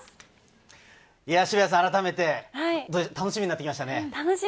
渋谷さん、改めて楽しみになってきましたね。